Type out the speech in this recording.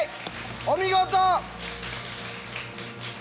お見事！